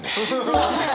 すみません！